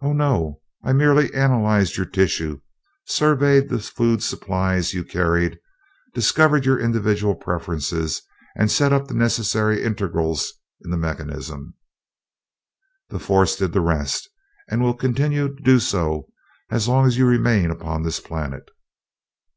"Oh, no. I merely analyzed your tissues, surveyed the food supplies you carried, discovered your individual preferences, and set up the necessary integrals in the mechanism. The forces did the rest, and will continue to do so as long as you remain upon this planet."